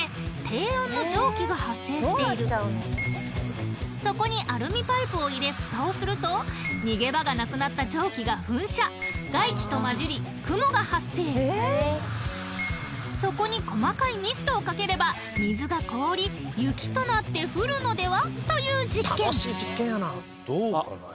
低温の蒸気が発生しているそこに逃げ場がなくなった蒸気が噴射外気と混じり雲が発生そこに細かいミストをかければ水が凍り雪となって降るのではという実験どうかな？